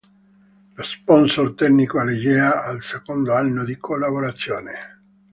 Lo sponsor tecnico è Legea, al secondo anno di collaborazione.